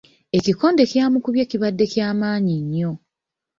Ekikonde ky'amukubye kibadde kya maanyi nnyo.